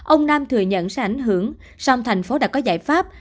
ông nam thừa nhận sẽ ảnh hưởng song thành phố đã có giải pháp